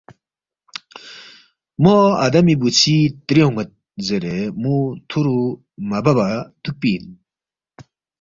مو آدمی بُوژھی تری اون٘ید زیرے مو تھُورُو مہ بَبا دُوکپی اِن